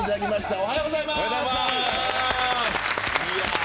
おはようございます。